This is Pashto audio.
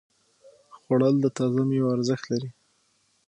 خوړل د تازه ميوو ارزښت لري